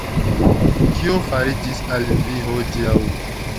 Kio fariĝis al vi hodiaŭ?